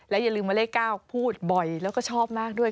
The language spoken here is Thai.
อย่าลืมว่าเลข๙พูดบ่อยแล้วก็ชอบมากด้วย